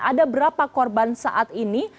ada berapa korban saat ini